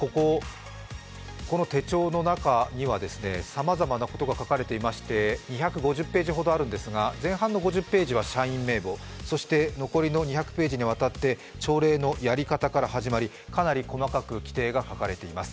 この手帳の中にはさまざまなことが書かれていまして２５０ページほどあるんですが前半の５０ページは社員名簿、そして残りの２００ページにわたって朝礼のやり方から始まり、かなり細かく規定が書かれています。